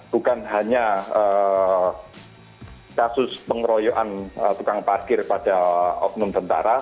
bukan hanya kasus pengeroyokan tukang parkir pada oknum tentara